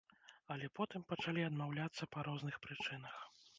Але потым пачалі адмаўляцца па розных прычынах.